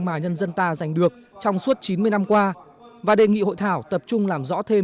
mà nhân dân ta giành được trong suốt chín mươi năm qua và đề nghị hội thảo tập trung làm rõ thêm